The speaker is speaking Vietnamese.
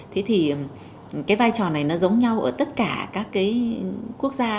thế thì cái vai trò này nó giống nhau ở tất cả các cái quốc gia